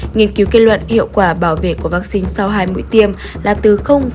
nghiên cứu kết luận hiệu quả bảo vệ của vaccine sau hai mũi tiêm là từ một